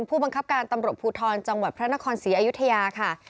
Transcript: ผู้บังคับการตำรวจภูทรจังหวัดพระนครศรีอยุธยาค่ะ